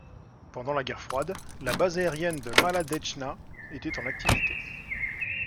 Pendant la guerre froide, la base aérienne de Maladetchna était en activité.